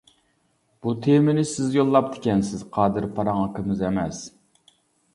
بۇ تېمىنى سىز يوللاپتىكەنسىز، قادىر پاراڭ ئاكىمىز ئەمەس.